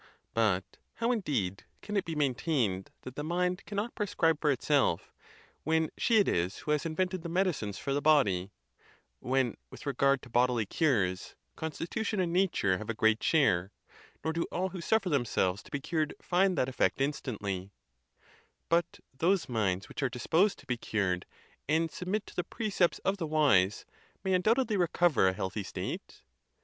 But how, indeed, can it be maintained that the mind cannot pre scribe for itself, when she it is who has invented the med icines for the body, when, with regard to bodily cures, constitution and nature have a great share, nor do all who suffer themselves to be cured find that effect instantly ; but those minds'which are disposed to be cured, and sub mit to the precepts of the wise, may undoubtedly recover a healthy state?